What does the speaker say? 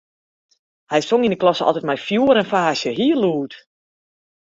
Hy song yn 'e klasse altyd mei fjoer en faasje, hiel lûd.